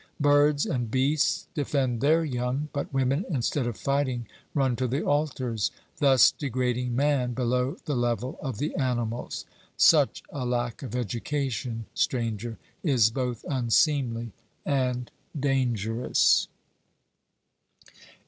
Birds and beasts defend their young, but women instead of fighting run to the altars, thus degrading man below the level of the animals. 'Such a lack of education, Stranger, is both unseemly and dangerous.'